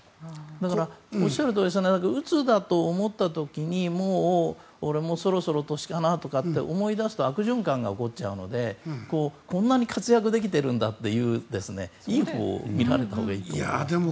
おっしゃるとおりうつだと思った時に俺もそろそろ年かなと思いだすと悪循環が起こっちゃうのでこんなに活躍できてるんだっていう良く考えたほうがいいです。